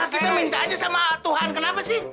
kita minta aja sama tuhan kenapa sih